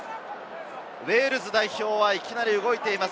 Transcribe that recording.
ウェールズ代表はいきなり動いています。